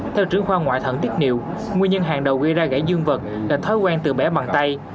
theo trưởng khoa ngoại thận tiết niệu nguyên nhân hàng đầu gây ra gãy dương vật là thói quen từ bé bằng tay